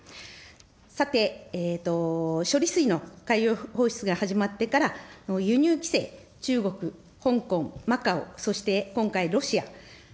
さて、処理水の海洋放出が始まってから輸入規制、中国、香港、マカオ、そして、今回ロシア。